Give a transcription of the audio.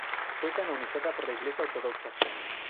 Fue canonizada por la Iglesia ortodoxa.